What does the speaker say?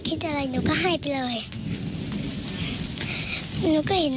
กับการซ่ามเข้าไปมา